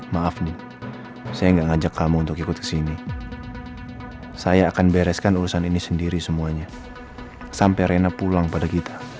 maaf nih saya nggak ngajak kamu untuk ikut kesini saya akan bereskan urusan ini sendiri semuanya sampai rena pulang pada kita